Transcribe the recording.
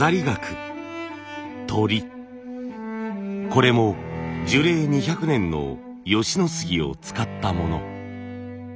これも樹齢２００年の吉野杉を使ったもの。